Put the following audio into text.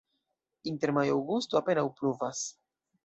Inter majo-aŭgusto apenaŭ pluvas.